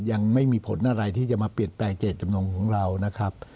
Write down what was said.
ยังไม่มีผลอะไรที่จะมาเปลี่ยนแปลงเจตจำนงของเรานะครับ